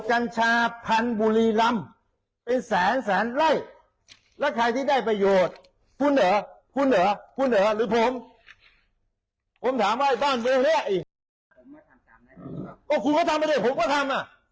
ทำไมนะคุณก็ทำผมก็ทำไง